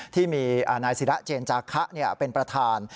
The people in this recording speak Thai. ที่มีนายศิระเจนจาคะเป็นประธาน